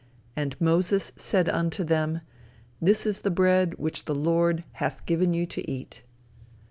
And Moses said unto them, this is the bread which the Lord hath given you to eat."